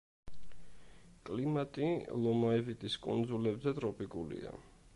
კლიმატი ლომაივიტის კუნძულებზე ტროპიკულია.